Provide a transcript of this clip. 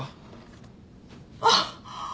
あっ。